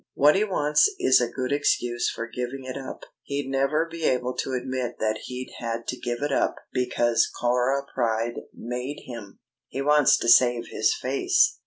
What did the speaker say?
What he wants is a good excuse for giving it up. He'd never be able to admit that he'd had to give it up because Cora Pryde made him! He wants to save his face."